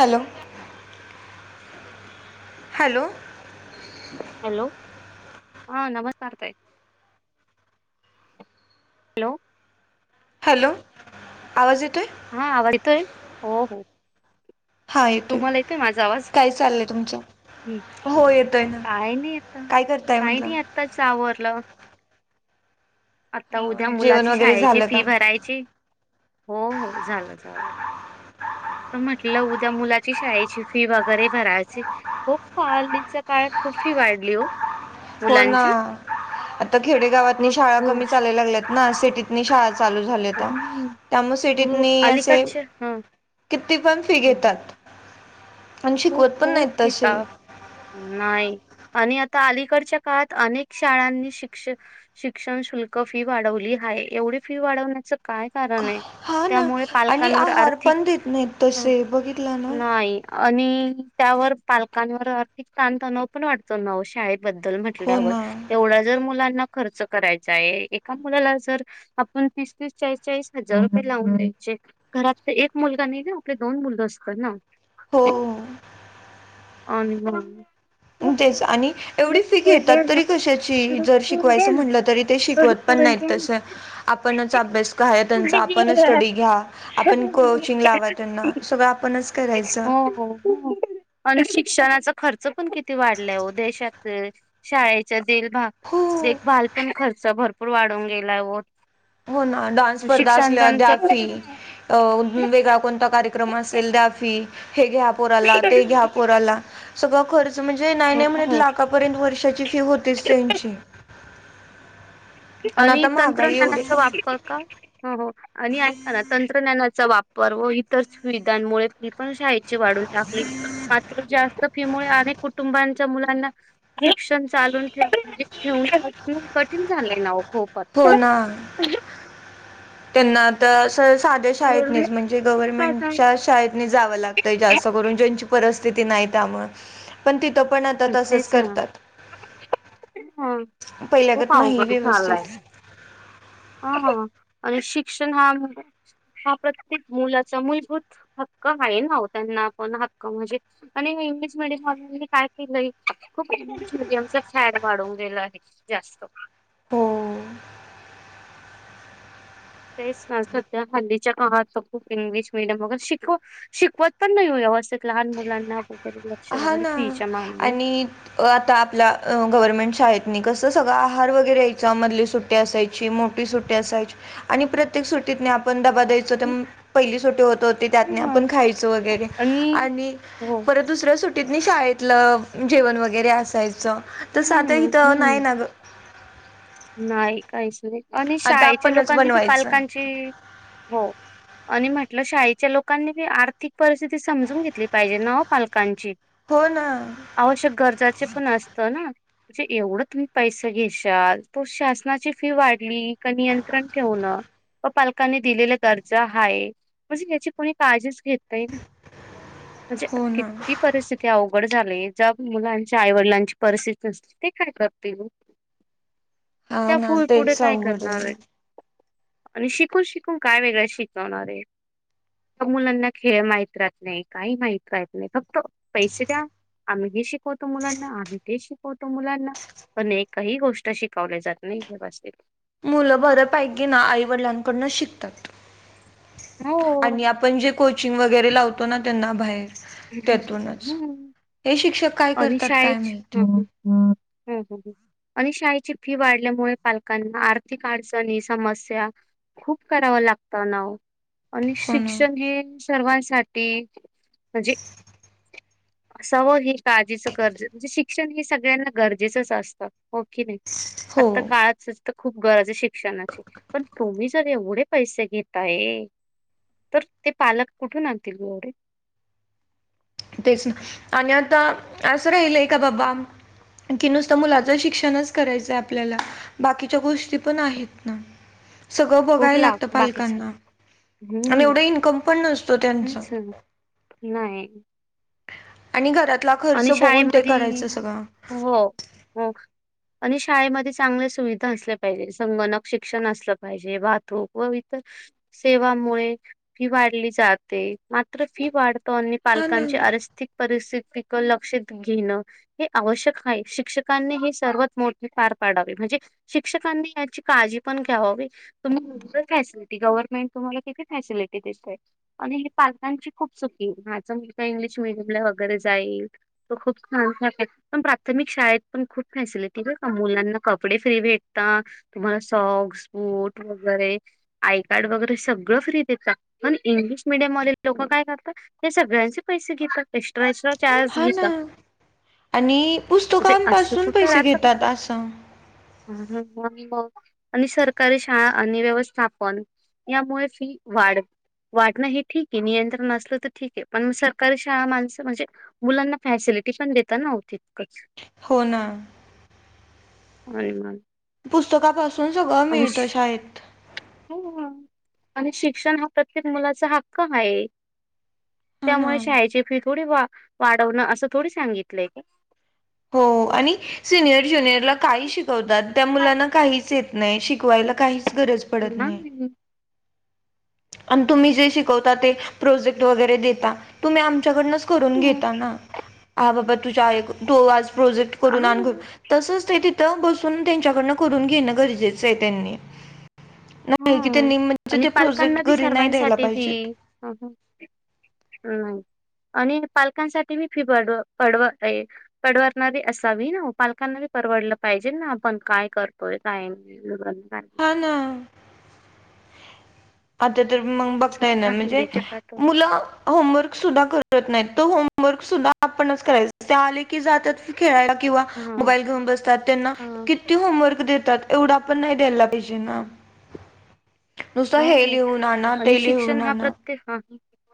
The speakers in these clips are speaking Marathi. हॅलो हॅलो हॅलो, हा नमस्कार ताई. हॅलो हॅलो, आवाज येतोय? हा, आवाज येतोय, हो हो. हा येतोय तुम्हाला येतेय माझा आवाज? काय चाललंय तुमचं हो येतोय ना. काही नाही आता. काय करताय काही म्हटलं न्यात त्याच आवरलं. आता उद्या हा जेवण मुलाची वगैरे शाळेची झालं का फी भराय ची हो, हो झालं झालं. तर म्हंटलं उद्या मुलाची शाळेची फी वगैरे भरायची. खूप हल्लीच्या काळात फि वाढली वो. हो ना, आता खेडे गावातनी खूप शाळा खूप कमी चालायला लागल्यात ना, सिटीतनी शाळा झाले ता, हम्म त्यामुळ सिटीतन खूप असे अलीकडचे ह किती पण फी घेतात. आणि खूप शिकवत पण -खूप नाहीत तसे घेतात नाही, आणि आता अलीकडच्या काळात अनेक शाळांनी शिक्षण शिक्षण शुल्क फी वाढवली हाय, एवढी फी वाढवण्याचं काय कारण हाय, हे हा ना त्यामुळे आणि पालकांवर आहार आर्थिक, पण देत नाहीत तसे बघितला ना नाही आणि त्यावर पालकांवर आर्थिक ताणतणाव पण वाटतो नाव शाळेबद्दल म्हण हो ल्यावर, ना येवढा जर मुलांना खर्च करायचा आहे, एका मुलाला जर आपण तीस -तीस, चाळीस -चाळीस हजार रुपये लावून द्यायचे घरात एक मुलगा नाही, आपले दोन मुलग असतात ना. हो, आणि मग तेच, आणि एवढी फी घेतात तरी कशाची, जर शिकवायचं मग म्हटलं तरी ते हो हो शिकवत पण नाहीत तस, आपणच अभ्यासय त्यांचा आपणच स्टडी घ्या आपण कोचिंग लावत त्यांना, सगळं आपणच करायचं. आणि शिक्षणाचा खर्च पण किती वाढलाय वो, देशाचं शाळेचा देलभाग, हो देखभाल पण खर्च भरपूर वाढवून गेला वो. हो ना, डान्स स्पर्धा असल्या द्या फि. अ, वेगळा कोणता कार्यक्रम असेल द्या फी. हे घ्या पोराला, ते घ्या पोराला सगळं खर्च असं म्हणजे, नाही- नाही म्हणत हो लाखापर्यंत वर्षाची फी होतीच त्यांची. आणि आता महागाई एवढी तंत्रज्ञानाचा वापर हो हो, आणि ऐका ना तंत्रज्ञानाचा वापर व इतर सुविधांमुळे फि पण शाळेची वाढून टाकली, मात्र जास्त फी मुळ अनेक कुटुंबांच्या मुलांना [unintelligible] हो ना [unintelligible] त्यांना आता, अस साध्या शाळेतनीच म्हणजे गव्हर्मेंटच्या शाळेतनी जा कराव लागतय जास्त करून ज्यांची परिस्थिती नाही त्यामुळ पण तिथं पण आता तसंच तेच ना करतात ह खूप पहिल्यागत नाही अवघड व्यवस्थित हा हा आणि शिक्षण हा हा प्रत्येक मुलाचा मूलभूत हक्क आहे ना ओ त्यांना पण हक्क म्हणजे आणि इंग्लिश मिडियम काय नाही खूप इंग्लिश मिडियमचा फॅट वाढवून गेला आहे जास्त हो तेच ना सध्या हल्लीच्या काळात खूप इंग्लिश मिडियम वगेरे शिकू शिकवत पण नाही हो व्यवस्थित लहान मुलांना वगैरे लक्ष वगैरे फीच्या मानाने अ आता आपल्या गव्हर्मेंट शाळेतनी कसं सगळं आहार वगैरे यायचा मधली सुट्टी असायची मोठी सुट्टी असायची आणि प्रत्येक सुट्टीतनी आपण डबा द्यायचो पहिली छोटी होत होते त्यातनी हां आपण खायच वगैरे आणि हो परत दुसऱ्या सुट्टीतनी शाळेतलं जेवण वगैरे असायचं तसं आता हं, इथं नाही हं. ना ग नाही काहीच नाही आणि आता शाळेच्या आपणच लोकांनी बी बनवायचं पालकांची हो [inaudible] आणि म्हटलं शाळेच्या लोकांनी बी आर्थिक परिस्थिती समजून घेतली पाहिजे ना ओ पालकांची हो ना आवश्यक गरजाचे पण असतं ना म्हणजे एवढं तुम्ही पैसे घेशाल तो शासनाची फी वाढली का नियंत्रण ठेवणं अ पालकांनी दिलेला दर्जा हाय म्हणजे याची कोणी काळजीच घेतय नाही ना [unintelligible] म्हणजे ना किती परिस्थिती ते अवघड झाले ज्या मुलांच्या आईवडिलांची परिस्थिती नसते ते काय करतील हा त्या फ ना पुढे तेच काय अवघड करणार आहे आहेत आणि शिकून शिकून काय वेगळ शिकवणार आहे मग मुलांना खेळ माहीत राहत नाही काही माहीत राहत नाही फक्त पैसे द्या आम्ही हे शिकवतो मुलांना आम्ही ते शिकवतो मुलांना पण एकही गोष्ट शिक पावले जात नाही हे बस मुलं बऱ्यापैकी ना आईवडलांकडूनंच शिकतात आणि हो. आपण जे कोचिंग वगैरे लावतो ना त्यांना बाहेर त्यातूनच ते शिक्षक काय करतात काय माहिती हम् [inaudible] आणि शाळेची फी वाढल्यामुळे पालकांना आर्थिक अडचणी समस्या खूप करावा लागतं ना ओ आणि हो ना शिक्षण हे सर्वांसाठी म्हणजे कस हो ही काळजीचं कर्ज म्हणजे शिक्षण हे सगळ्यांना गरजेचंच असतं हो की नाही आता हो काळच तर खूप गरज आहे शिक्षणाची पण तुम्ही तर एवढे पैसे घेताय तर ते पालक कुठून आणतील एवढे तेच ना आणि आता असं राहिलय का बाबा की नुसतं मुलाचं शिक्षणच करायचंय आपल्याला बाकीच्या गोष्टी पण आहेत ना सगळं खूप बघाय ला लागतं बाकीच पालकांना आणि हम्म. एवढं इन्कम पण नसतो त्यांचं तेच ना. नाही आणि घरातला खर्च आणि बघून ते शाळेमध्ये करायचं सगळं हो आणि शाळेमध्ये चांगंल्या सुविधा असल्या पाहिजे संगणक शिक्षण असलं पाहिजे वाहतून व इतर सेवामुळे फी वाढली जाते मात्र फी वाढ नी हा ना पालकांची आरर्स्थिक परिस्थिती लक्षात घेणं. हे आवश्यक आहे शिक्षकांनी हे सर्वात मोठे पार पाडावे म्हणजे शिक्षकांनी याची काळजी पण घ्यावावी. तुम्ही [unintelligible] गव्हर्नमेंट तुम्हाला किती फॅसिलिटी देतय. आणि हे पालकांची खूप चुकी हे माझं मुलगा इंग्लिश मिडयम ला वगैरे जाईल. तो खूप छान पण प्राथमिक शाळेत पण खूप फॅसिलिटी बर का मुलांना कपडे फ्री भेटता. तुम्हाला सॉक्स, बुट वगैरे आय कार्ड वगैरे सगळं फ्री देतात. पण इंग्लिश मिडियम मधील लोक काय करतात ते सगळ्यांचे पैसे घेतात एस्ट्रा एट्रा चार्ज हो ना घेतात आणि म्हणजे असं पुस्तकांपासून कुठं पैसे राहतं का घेतात आस हम्म हम्म आणि मग आणि सरकारी शाळा आणि व्यवस्थापन यामुळे फी वाढ वाढण हे ठीक हे नियंत्रण असलं तर ठीक हे पण सरकारी शाळा माणसं म्हणजे मुलांना फॅसिलिटी पण देतात नव हो तीतकंच. होना आणि मग पुस्तकापासून सगळं आणि मिळतं शाळेत. आणि शिक्षण हा प्रत्येक मुलाचा हक्क हाय. हा ना त्यामुळे शाळेची फी थोडी वा वाढवणं असं थोडी सांगितलंय की हो आणि सिनियर ज्युनियरला काही शिकवतात त्या मुलांना काहीच येत नाही शिकवायला काहीच गरज पडत नाही [unintelligible] आणि तुम्ही जे शिकवता ते प्रोजेक्ट वगैरे देता तुम्ही आमच्याकडनच करून हं. घेताना हा बाबा तुझ्या आई तो आज प्रोजेक्ट करून आण घरं हां. तसच ते तिथे तिथ बसून त्यांच्याकडन करून घेणं गरजेचं आहे त्यांनी नाही हां. मेन म्हणजे आणि ते प्रोजेक्ट पालकांना बी घरी नाही द्यायला सर्वांसाठी फी पाहिजेत अह नाही आणि पालकांसाठी मी फी पड पडवतय. पडवणारी असावी ना पालकांना परवडलं पाहिजे ना आपण काय करतोय काय नाही. [unintelligible] पन आता तर मग बघता येणार हां. म्हणजे हल्लीच्या काळात मुलं होमवर्क सुद्धा करत नाही तो होमवर्क सुद्धा आपणच करायच ते आले की जातात खेळायला किंवा हां. मोबाईल घेऊन बसतात त्यांना हां. किती होमवर्क देतात एवढा पण नाही द्यायला पाहिजे ना नुसता हे लिहून आना ते लिहून आना. ते प्रत्येक हा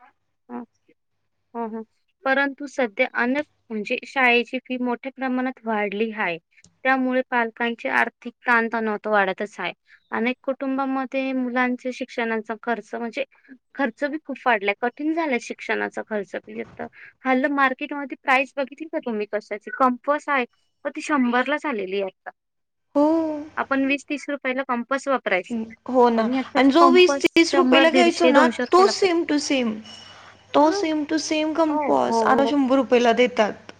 [unintelligible] हा हा परंतु सध्या अन म्हणजे शाळेची फी मोठ्या प्रमाणात वाढली हाय. त्यामुळे पालकांची आर्थिक ताण तणाव तर वाढतच हाय अनेक कुटुंबामध्ये मुलांचे शिक्षणाचा खर्च म्हणजे खर्च बी खूप वाढलाय कठीण झालाय शिक्षणाचा खर्च बी आता हल्लीं मार्केटमध्ये प्राइस बघिततील का तुम्ही कशाची कंपस आहे मग ती शंभरलाच झालेली आहे आता. हो आपण वीस, तीस रुपयाला कंपास वापरायचो. हो ना आणि आत्ताचे जो वीस, कंपस तीस शंभर रुपयेला घ्यायचो दीडशे ना दोनशे रुपये तोच लागतात. Same to same. तो हा सेम टू सेम हो कम्पॉस हो आता हो शंभर रुपय पेला देतात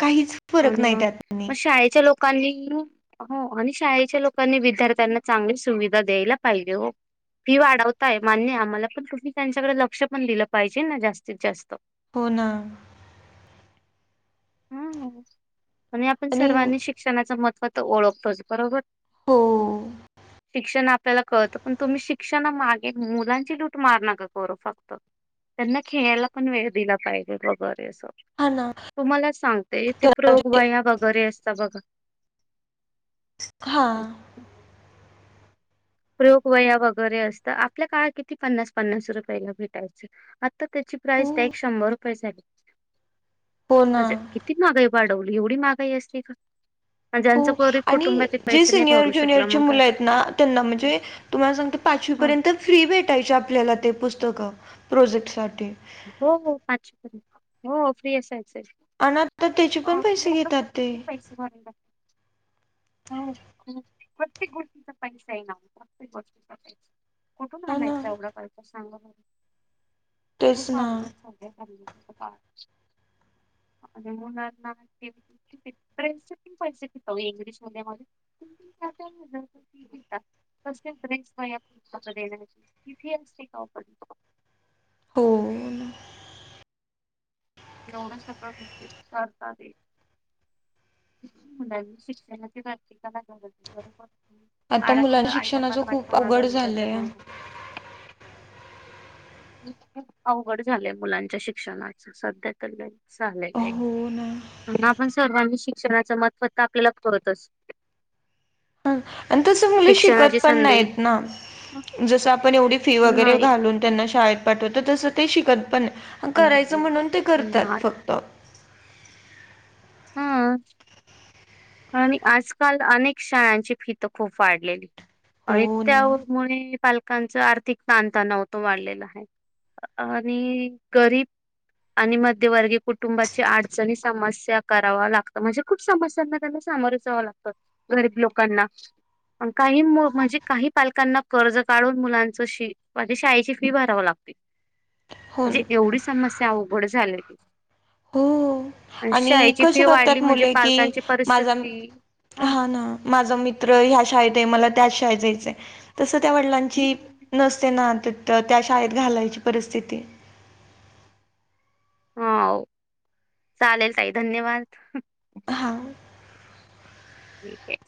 काहिच आणि मग, मग शाळेच्या लोकांनी खुप हो आणि शाळेच्या लोकांनी विद्यार्थ्यांना चांगली सुविधा द्यायला पाहिजे हो. फी वाढवताय मान्य आम्हाला पण तुम्ही त्यांच्याकडे लक्ष पण दिलं पाहिजे ना जास्तीत, जास्त. होना. हा म्हणजे आपण आणि सर्वांनी शिक्षणाचं महत्त्व तर ओळखतोच बरोबर? हो शिक्षण आप त्याला कळतं पण तुम्ही शिक्षणा मागे मुलांची लूट मार नका करू फक्त. त्यांना खेळायला पण वेळ दिला पाहिजे वगैरे अस. हा न. तुम्हाला सांगते ते प्रयोग वह्या वगैरे असतात बघा. हा. प्रयोग वया वगैरे असत आपल्या काळात किती पन्नास, पन्नास रुपयाला भेटायच्या. आता त्याची हो प्राइज डायरेक्ट शंभर रुपये झाली. हो ना आता किती महागाई वाढवली एवढी महागाई असती हो ज्यांचं गरीब आणि कुटुंब आहे ते जे पैसे नाही सिनियर भरू शकला ज्युनियरची मग काय मुलं आहेत करणार? ना त्यांना म्हणजे तुम्हाला सांगते पाचवी हं. पर्यंत फ्री भेटायची आपल्याला ते पुस्तक प्रोजेक्टसाठी. हो हो पाचवी पर्यंत हो फ्री असायची. आता तर त्याचे पण पैसे घेतात ते. हा. हो प्रत्येक गोष्टीचा पैसा [inaudible] आहेना प्रत्येक गोष्टीचा कुठून हा ना आणायचा एवढं पैसा सांगा बघू? तेच खूप ना अवघड झालंय हल्ली खूप अवघड म्हणजे मुलांना ड्रेसचे पण पैसे घेतात इंग्लिश मीडियम मध्ये [inaudible] घेतात वह्या पुस्तके देणार इतकी फी असते का ओ पण? हो. एवढ सगळं म्हणजे करता ते. डायरेक्ट सिस्टेमॅटिक [inaudible] बरोबर आता आडाशीच मुलांना आई, शिक्षणाचं बाप्पाला वाटत खूप माझा अवघड मुलगा तर झालंय नाही ना. खूप, खूप अवघड झालंय मुलांच्या शिक्षणाच सध्या तर लय चालेल आहे हो ना बाई आपण सर्वांनी शिक्षणाचं महत्त्व तर आपल्याला कळतच. ह आणि तस मुल शिक्षणाची शिकत पण संधी नाहीत ना. जसं आपण एवढी फी वगैरे नाही घालून त्यांना शाळेत पाठवतो तसं ते शिकत पण नाही करायचं म्हणून ते करतात नाही फक्त. हा.. आणि आज काल अनेक शाळांची फी तर खूप वाढलेली. आणि हो ना त्यामुळे पालकांचं आर्थिक ताणताणाव होतो वाढलेलं आहे. आणि गरीब आणि मध्यवर्गी कुटुंबाची आडचणी, समस्या, करावा लागतो म्हणजे खूप समस्यांना त्यांना सामोरे जावं लागतं गरीब लोकांना. काही मु म्हणजे काही पालकांना कर्ज काढून मुलांच शि म्हंजे शाळेची फी भराव लागते. हो ना म्हणजे एवढी समस्या आवघड झाले हो आणि शाळे ची कसे फी वाढली करतात म्हणजे मुले की पालकांची माझा परिस्थिती आ हा ना माझा मित्र ह्या शाळेत आहे मला त्याच शाळेत जायचं आहे, तसं त्या वडिलांची हम्म. नसते ना त त्या शाळेत घालायची परिस्थिती. हाव चालेल ताई धन्यवाद. हा. ए